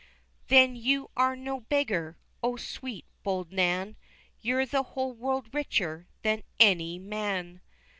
"Then you are no beggar" O sweet, bold Nan! "You're the whole world richer than any man."